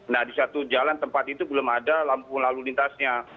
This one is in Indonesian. nah di satu jalan tempat itu belum ada lampu lalu lintasnya